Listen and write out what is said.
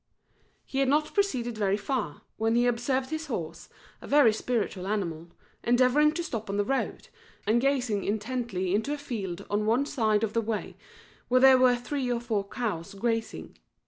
He had not proceeded very far, when he observed his horse, a very spirited animal, endeavouring to stop on the road, and gazing intently into a field on one side of the way where there were three or four cows grazing.